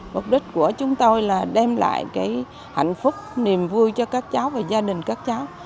mục đích của chúng tôi là đem lại cái hạnh phúc niềm vui cho các cháu và gia đình các cháu